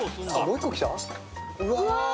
うわ。